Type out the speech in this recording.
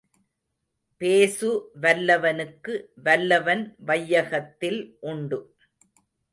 பேசு வல்லவனுக்கு வல்லவன் வையகத்தில் உண்டு.